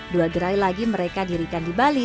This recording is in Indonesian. dua gerai lagi mereka dirikan di bali